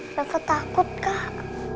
ih aku takut kak